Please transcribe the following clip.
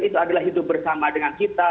itu adalah hidup bersama dengan kita